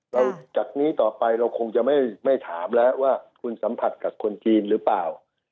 จากนี้ต่อไปเราคงจะไม่ถามแล้วว่าคุณสัมผัสกับคนจีนหรือเปล่า